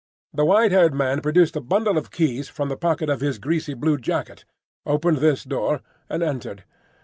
The white haired man produced a bundle of keys from the pocket of his greasy blue jacket, opened this door, and entered.